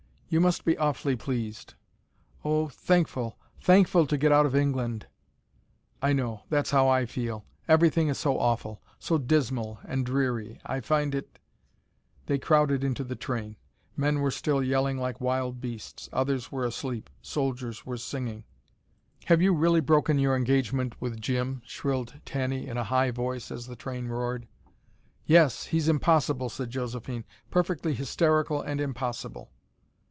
"You must be awfully pleased." "Oh thankful THANKFUL to get out of England " "I know. That's how I feel. Everything is so awful so dismal and dreary, I find it " They crowded into the train. Men were still yelling like wild beasts others were asleep soldiers were singing. "Have you really broken your engagement with Jim?" shrilled Tanny in a high voice, as the train roared. "Yes, he's impossible," said Josephine. "Perfectly hysterical and impossible."